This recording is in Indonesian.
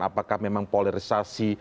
apakah memang polarisasi